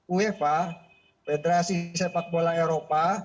uefa federasi sepak bola eropa